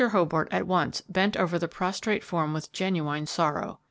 Hobart at once bent over the prostrate form with genuine sorrow.